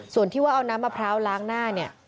ส่วนที่ว่าเอาน้ำมะพร้าวล้างหน้าเนี่ย